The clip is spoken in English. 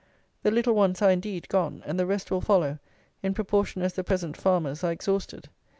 The little ones are, indeed, gone; and the rest will follow in proportion as the present farmers are exhausted.